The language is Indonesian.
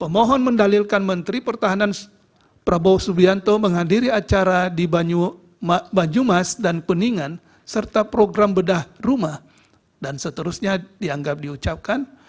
mohon mendalilkan menteri pertahanan prabowo subianto menghadiri acara di banyumas dan kuningan serta program bedah rumah dan seterusnya dianggap diucapkan